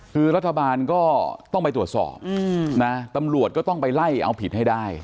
คือรัฐบาลก็ต้องไปตรวจสอบนะตำรวจก็ต้องไปไล่เอาผิดให้ได้